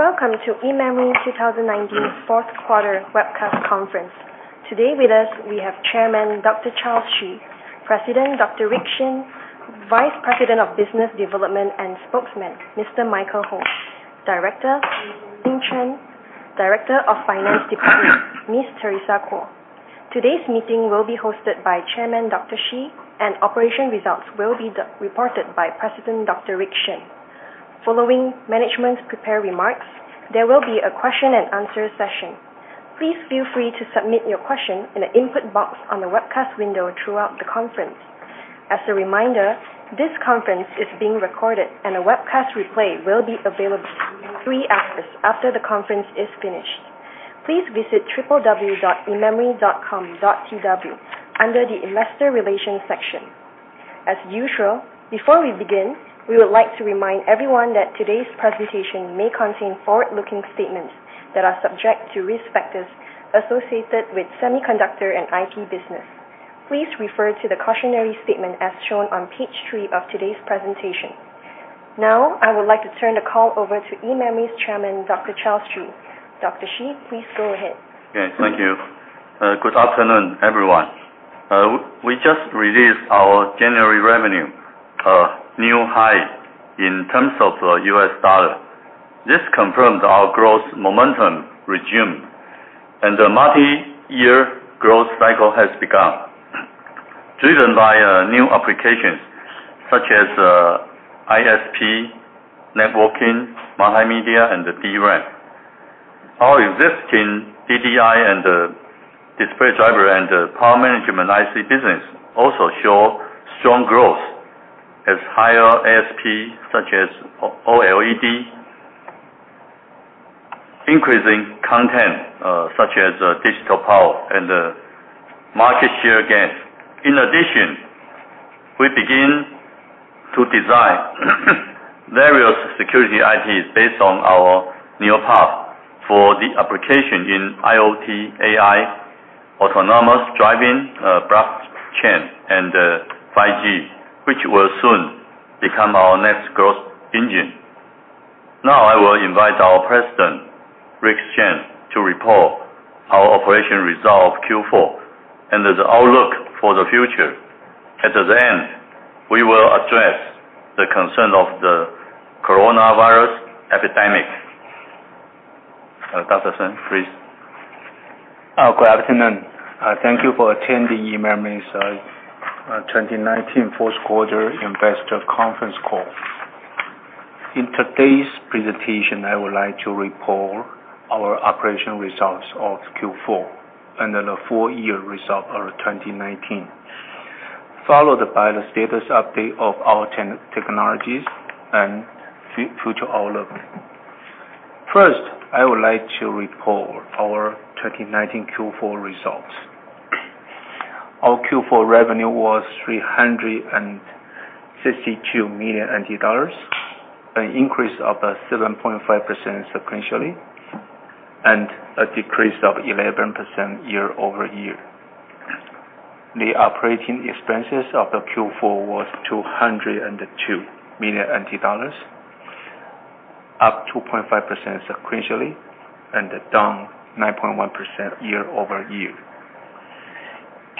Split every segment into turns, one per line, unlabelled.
Welcome to eMemory 2019 Fourth Quarter Webcast Conference. Today with us, we have Chairman Dr. Charles Hsu, President Dr. Rick Shen, Vice President of Business Development and Spokesman Mr. Michael Ho, Director Li-Jeng Chen, Director of Finance Department Ms. Teresa Kuo. Today's meeting will be hosted by Chairman Dr. Hsu, operation results will be reported by President Dr. Rick Shen. Following management prepared remarks, there will be a question-and-answer session. Please feel free to submit your question in the input box on the webcast window throughout the conference. As a reminder, this conference is being recorded, a webcast replay will be available three hours after the conference is finished. Please visit www.ememory.com.tw under the investor relations section. As usual, before we begin, we would like to remind everyone that today's presentation may contain forward-looking statements that are subject to risk factors associated with semiconductor and IP business. Please refer to the cautionary statement as shown on page three of today's presentation. I would like to turn the call over to eMemory's Chairman, Dr. Charles Hsu. Dr. Hsu, please go ahead.
Okay. Thank you. Good afternoon, everyone. We just released our January revenue, a new high in terms of the U.S. dollar. This confirms our growth momentum resumed, and the multi-year growth cycle has begun. Driven by new applications such as ISP, networking, multimedia, and DRAM. Our existing DDI and display driver and power management IC business also show strong growth as higher ASP such as OLED, increasing content such as digital power and market share gains. In addition, we begin to design various security IPs based on our NeoPUF for the application in IoT, AI, autonomous driving, blockchain, and 5G, which will soon become our next growth engine. Now I will invite our President, Rick Shen, to report our operation result of Q4 and the outlook for the future. At the end, we will address the concern of the coronavirus epidemic. Dr. Shen, please.
Good afternoon. Thank you for attending eMemory's 2019 Fourth Quarter Investor Conference Call. In today's presentation, I would like to report our operational results of Q4 and the full-year result of 2019, followed by the status update of our technologies and future outlook. First, I would like to report our 2019 Q4 results. Our Q4 revenue was 362 million NT dollars, an increase of 7.5% sequentially and a decrease of 11% year-over-year. The operating expenses of the Q4 was 202 million NT dollars, up 2.5% sequentially and down 9.1% year-over-year.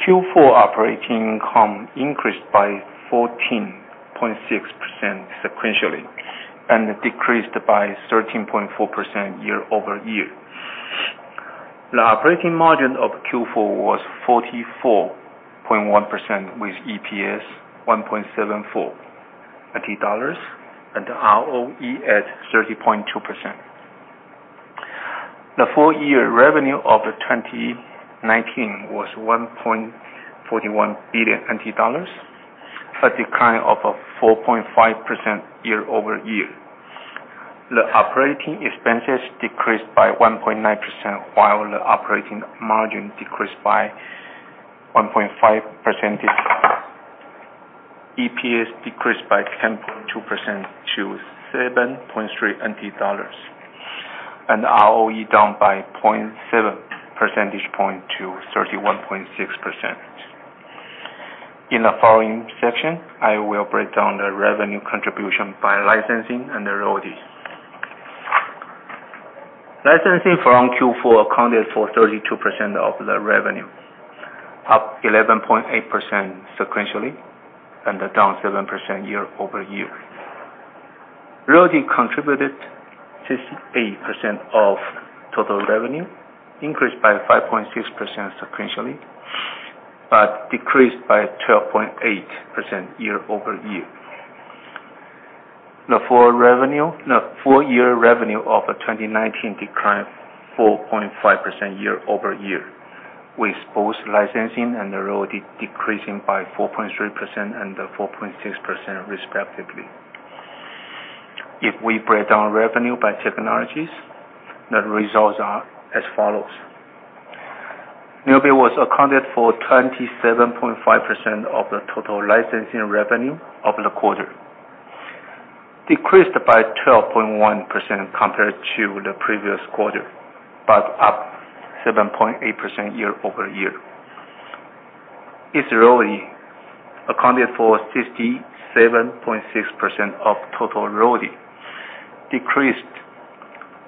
Q4 operating income increased by 14.6% sequentially and decreased by 13.4% year-over-year. The operating margin of Q4 was 44.1%, with EPS 1.74 dollars, and ROE at 30.2%. The full-year revenue of 2019 was 1.41 billion NT dollars, a decline of 4.5% year-over-year. The operating expenses decreased by 1.9%, while the operating margin decreased by 1.5 percentage. EPS decreased by 10.2% to 7.3 dollars, and ROE down by 0.7 percentage point to 31.6%. In the following section, I will break down the revenue contribution by licensing and royalties. Licensing from Q4 accounted for 32% of the revenue, up 11.8% sequentially and down 7% year-over-year. Royalty contributed 68% of total revenue, increased by 5.6% sequentially, but decreased by 12.8% year-over-year. The full-year revenue of 2019 declined 4.5% year-over-year, with both licensing and the royalty decreasing by 4.3% and 4.6% respectively. If we break down revenue by technologies, the results are as follows. NeoBit was accounted for 27.5% of the total licensing revenue of the quarter, decreased by 12.1% compared to the previous quarter, but up 7.8% year-over-year. Its royalty accounted for 67.6% of total royalty, decreased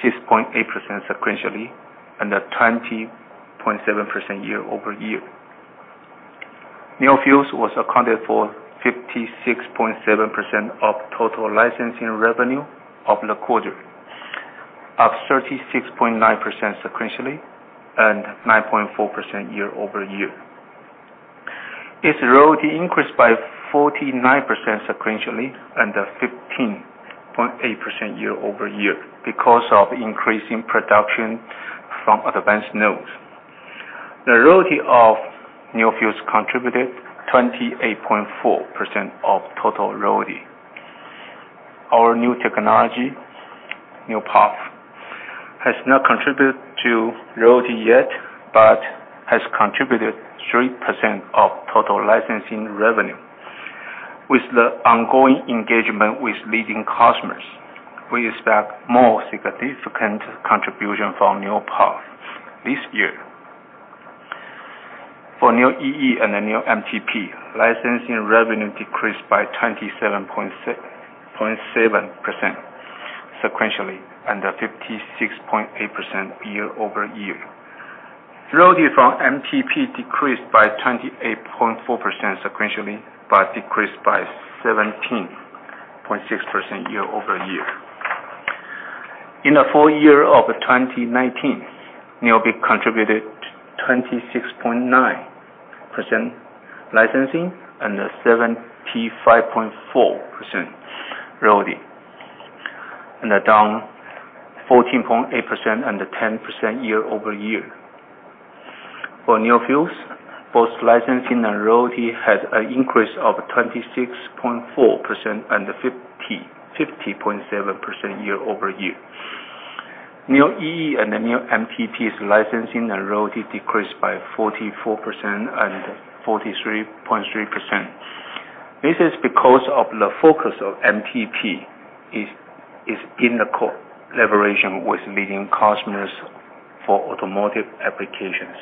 6.8% sequentially and at 20.7% year-over-year. NeoFuse was accounted for 56.7% of total licensing revenue of the quarter, up 36.9% sequentially and 9.4% year-over-year. Its royalty increased by 49% sequentially and 15.8% year-over-year because of increasing production from advanced nodes. The royalty of NeoFuse contributed 28.4% of total royalty. Our new technology, NeoPUF, has not contributed to royalty yet, but has contributed 3% of total licensing revenue. With the ongoing engagement with leading customers, we expect more significant contribution from NeoPUF this year. For NeoEE and then NeoMTP, licensing revenue decreased by 27.7% sequentially and 56.8% year-over-year. Royalty from MTP decreased by 28.4% sequentially, but decreased by 17.6% year-over-year. In the full year of 2019, NeoEE contributed 26.9% licensing and 75.4% royalty, and they're down 14.8% and 10% year-over-year. For NeoFuse, both licensing and royalty had an increase of 26.4% and 50.7% year-over-year. NeoEE and then NeoMTP's licensing and royalty decreased by 44% and 43.3%. This is because of the focus of MTP is in the collaboration with leading customers for automotive applications,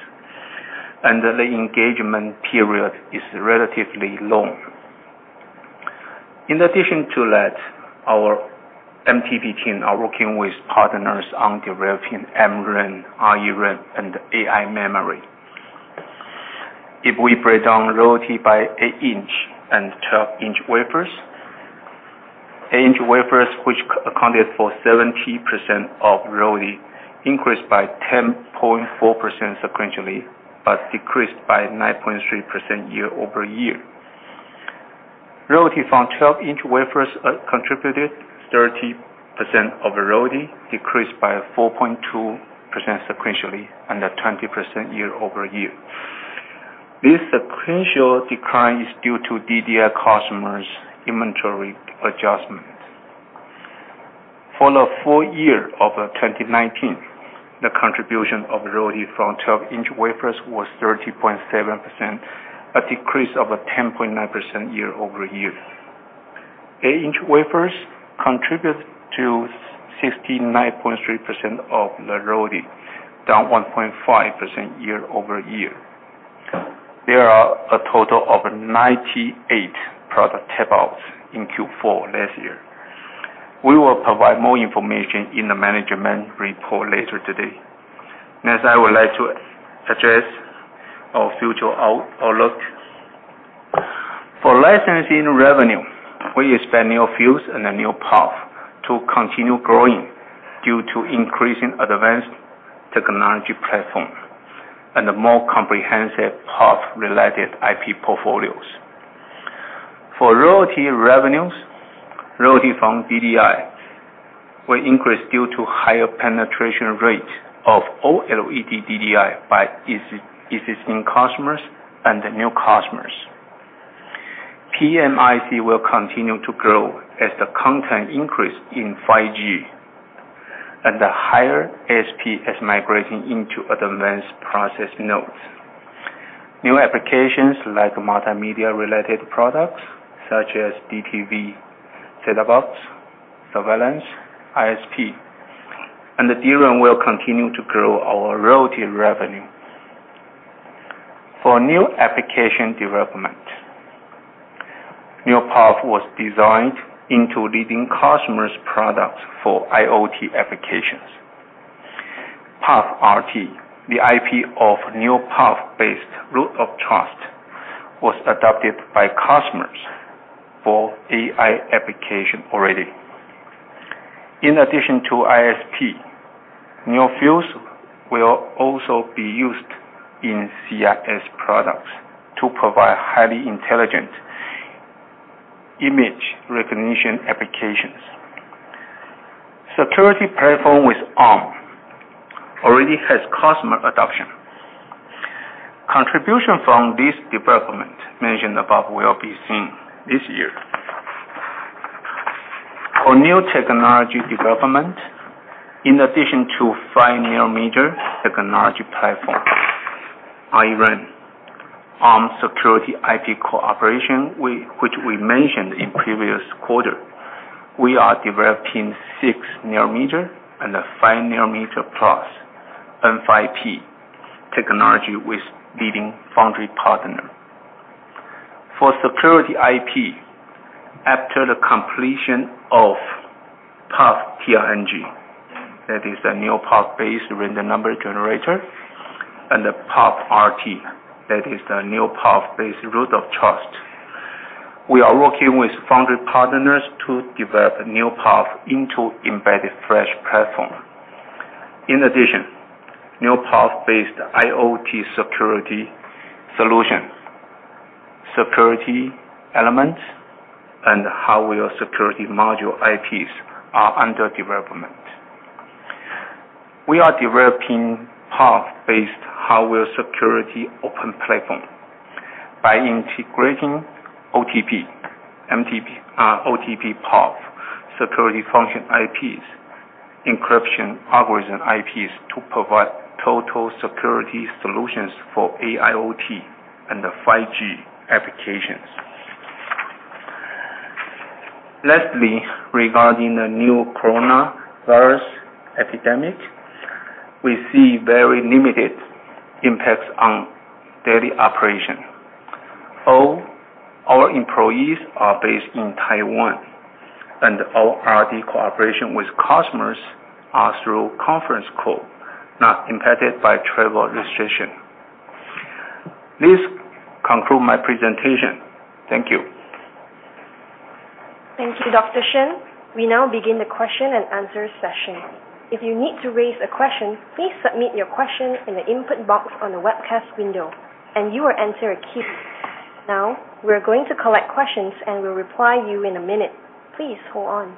and the engagement period is relatively long. In addition to that, our MTP team are working with partners on developing MRAM, ReRAM, and AI memory. If we break down royalty by eight-inch and 12-inch wafers, eight-inch wafers, which accounted for 70% of royalty, increased by 10.4% sequentially, but decreased by 9.3% year-over-year. Royalty from 12-inch wafers contributed 30% of the royalty, decreased by 4.2% sequentially and at 20% year-over-year. This sequential decline is due to DDI customers' inventory adjustment. For the full year of 2019, the contribution of royalty from 12-inch wafers was 30.7%, a decrease of 10.9% year-over-year. Eight-inch wafers contribute to 69.3% of the royalty, down 1.5% year-over-year. There are a total of 98 product tape-outs in Q4 last year. I would like to address our future outlook. For licensing revenue, we expect NeoFuse and then NeoPUF to continue growing due to increasing advanced technology platform and a more comprehensive PUF-related IP portfolios. For royalty revenues, royalty from DDI will increase due to higher penetration rate of OLED DDI by existing customers and new customers. PMIC will continue to grow as the content increase in 5G and the higher ASP is migrating into advanced process nodes. New applications like multimedia-related products such as DTV, set-top box, surveillance, ISP, and DRAM will continue to grow our royalty revenue. For new application development, NeoPUF was designed into leading customers' products for IoT applications. PUFrt, the IP of NeoPUF-based root of trust, was adopted by customers for AI application already. In addition to ISP, NeoFuse will also be used in CIS products to provide highly intelligent image recognition applications. Security platform with Arm already has customer adoption. Contribution from this development mentioned above will be seen this year. For new technology development, in addition to 5-nanometer technology platform, IRAM, Arm security IP cooperation, which we mentioned in previous quarter, we are developing 6-nanometer and 5-nanometer plus, N5P technology with leading foundry partner. For security IP, after the completion of PUFtrng, that is the PUF-based true random number generator, and the PUFrt, that is the PUF-based root of trust. We are working with foundry partners to develop NeoPUF into embedded flash platform. In addition, NeoPUF-based IoT security solution, secure elements, and hardware security module IPs are under development. We are developing PUF-based hardware security open platform by integrating OTP, PUF security function IPs, encryption algorithm IPs to provide total security solutions for AIoT and 5G applications. Lastly, regarding the new coronavirus epidemic, we see very limited impacts on daily operation. All our employees are based in Taiwan, and all RD cooperation with customers are through conference call, not impacted by travel restriction. This concludes my presentation. Thank you.
Thank you, Dr. Shen. We now begin the question and answer session. If you need to raise a question, please submit your question in the input box on the webcast window and you will enter a queue. Now, we're going to collect questions and will reply you in a minute. Please hold on.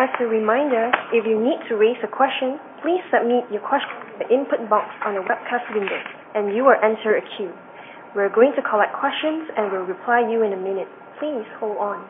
As a reminder, if you need to raise a question, please submit your question in the input box on the webcast window and you will enter a queue. We're going to collect questions and will reply you in a minute. Please hold on.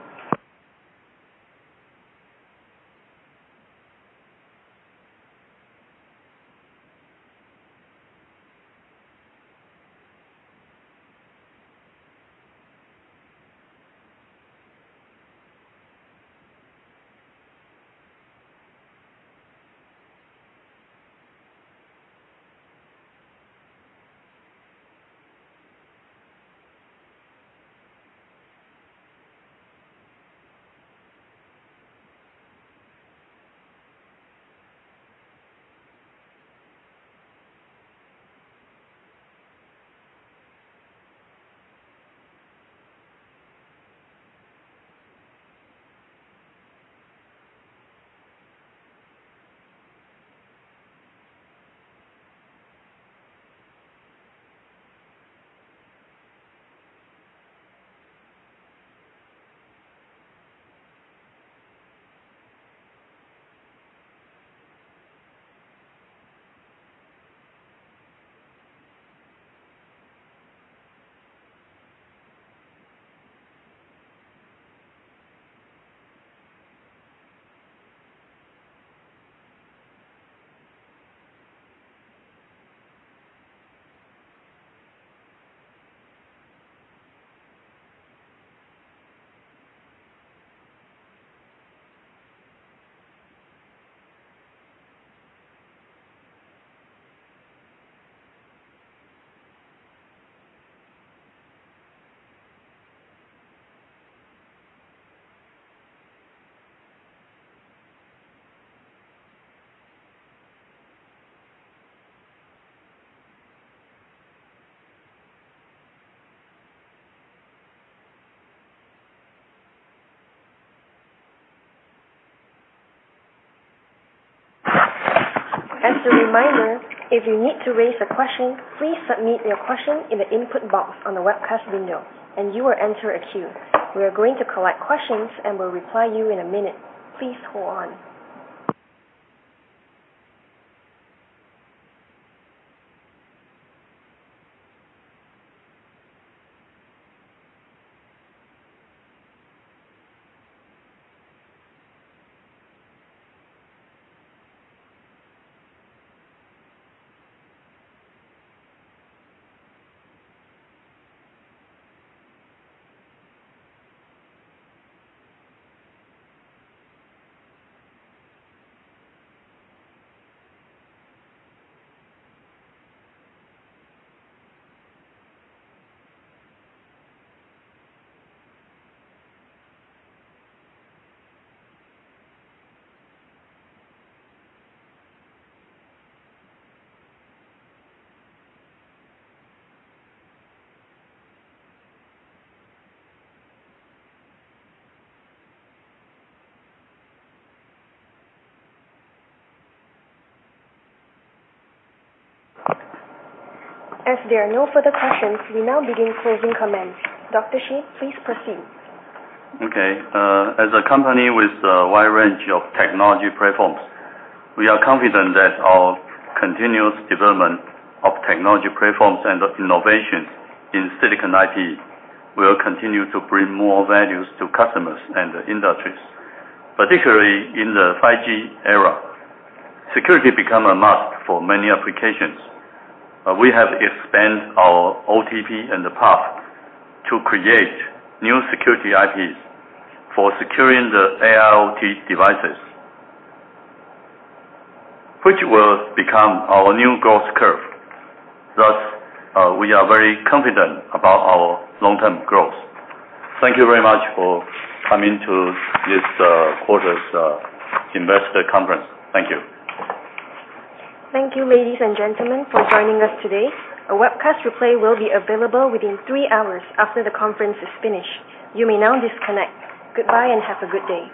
As a reminder, if you need to raise a question, please submit your question in the input box on the webcast window and you will enter a queue. We are going to collect questions and will reply you in a minute. Please hold on. As there are no further questions, we now begin closing comments. Dr. Hsu, please proceed.
Okay. As a company with a wide range of technology platforms, we are confident that our continuous development of technology platforms and innovations in silicon IP will continue to bring more values to customers and the industries. Particularly in the 5G era, security become a must for many applications. We have expanded our OTP and the PUF to create new security IPs for securing the AIoT devices, which will become our new growth curve. Thus, we are very confident about our long-term growth. Thank you very much for coming to this quarter's investor conference. Thank you.
Thank you, ladies and gentlemen, for joining us today. A webcast replay will be available within three hours after the conference is finished. You may now disconnect. Goodbye, and have a good day.